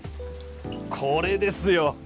これですよ。